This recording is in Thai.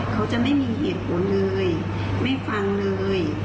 เขาจะไม่มีเหตุผลเลยไม่ฟังเลย